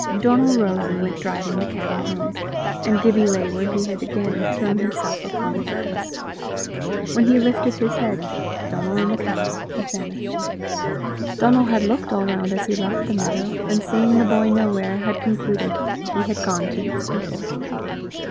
Donal rose and went driving the cattle home, and Gibbie lay where he had again thrown himself upon the grass. When he lifted his head, Donal and the cows had vanished. Donal had looked all round as he left the meadow, and seeing the boy nowhere, had concluded he had gone to his people.